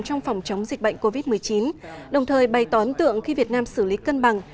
trong phòng chống dịch bệnh covid một mươi chín đồng thời bày tỏ ấn tượng khi việt nam xử lý cân bằng